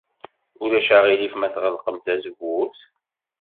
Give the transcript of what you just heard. Ulac aɣilif ma tɣelqem tazewwut?